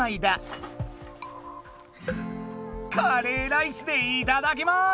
カレーライスでいただきます！